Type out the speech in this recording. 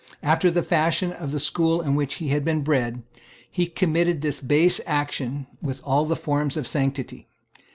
After the fashion of the school in which he had been bred, he committed this base action with all the forms of sanctity.